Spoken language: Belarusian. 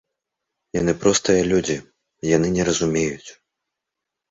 Яны простыя людзі, яны не разумеюць.